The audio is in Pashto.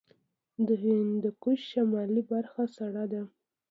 د هندوکش شمالي برخه سړه ده